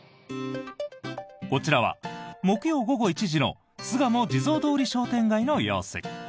こちらは、木曜午後１時の巣鴨地蔵通り商店街の様子。